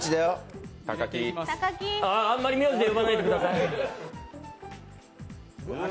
あんまり名字で呼ばないでください。